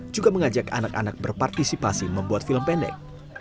juga mengajak anak anak berpartisipasi membuat film pendek